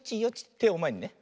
てをまえにね。